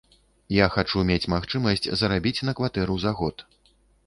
Я хачу мець магчымасць зарабіць на кватэру за год.